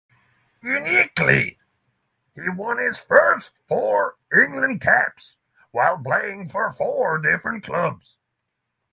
Uniquely, he won his first four England caps while playing for four different clubs.